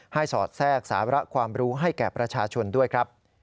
สอดแทรกสาระความรู้ให้แก่ประชาชนด้วยครับ